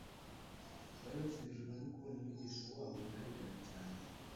bari bakinejejwe no kubona Umwigisha wabo wiharigana cyane,